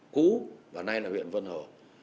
cũ và nay là huyện vân hồ